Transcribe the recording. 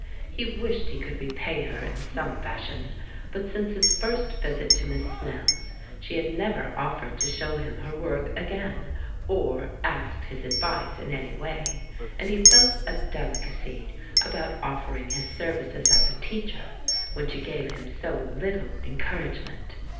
He wished he could repay her in some fashion, but since his first visit to Miss Snell's she had never offered to show him her work again, or asked his advice in any way, and he felt a delicacy about offering his services as a teacher when she gave him so little encouragement.